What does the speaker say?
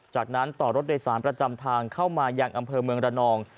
จากนั้นต่อรถโดยสารประจำทางเข้ามายังอำเภอเมืองระนอง